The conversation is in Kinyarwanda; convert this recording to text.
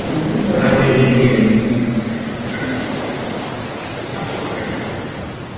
Herminius avuga ati ayo makuru ntago ariyo